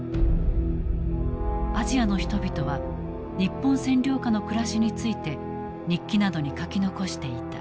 アジアの人々は日本占領下の暮らしについて日記などに書き残していた。